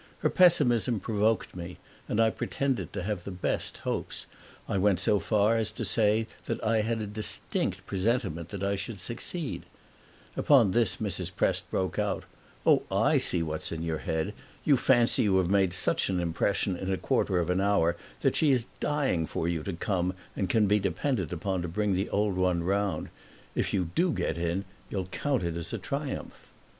Her pessimism provoked me and I pretended to have the best hopes; I went so far as to say that I had a distinct presentiment that I should succeed. Upon this Mrs. Prest broke out, "Oh, I see what's in your head! You fancy you have made such an impression in a quarter of an hour that she is dying for you to come and can be depended upon to bring the old one round. If you do get in you'll count it as a triumph."